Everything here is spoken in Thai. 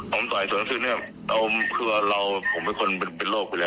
ผมต่อยสวนขึ้นผมเป็นคนเป็นโรคอยู่แล้ว